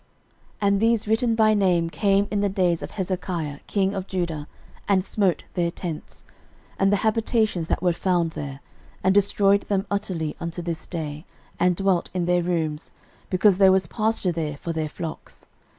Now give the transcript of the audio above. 13:004:041 And these written by name came in the days of Hezekiah king of Judah, and smote their tents, and the habitations that were found there, and destroyed them utterly unto this day, and dwelt in their rooms: because there was pasture there for their flocks.